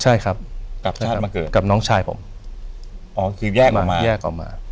ใช่ครับกลับชาติมาเกิดกับน้องชายผมอ๋อคือแยกออกมาแยกออกมา